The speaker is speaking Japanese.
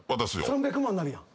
３００万なるやん！？